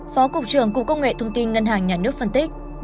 phó cục trưởng cục công nghệ thông tin ngân hàng nhà nước phân tích